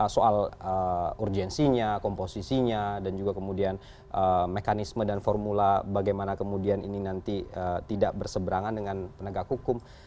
soal urgensinya komposisinya dan juga kemudian mekanisme dan formula bagaimana kemudian ini nanti tidak berseberangan dengan penegak hukum